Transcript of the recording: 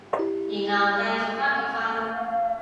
然後繼續返去瞓